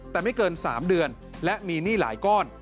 แต่ไม่เกิน๓เดือนและมีหนี้หลายก้อน